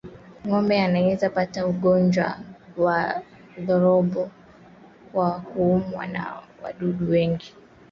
Ngombe wanaweza kupata ugonjwa wa ndorobo kwa kuumwa na wadudu mwengine warukao